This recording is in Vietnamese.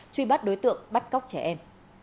truy bắt đối tượng bắt cóc trẻ em